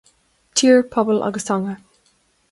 Tír, Pobal agus Teanga